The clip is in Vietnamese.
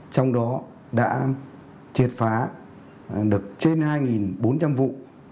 trong đó đã triệt phá được trên hai bốn trăm linh vụ